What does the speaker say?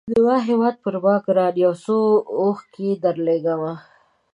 زما هیواده پر ما ګرانه یو څو اوښکي درلېږمه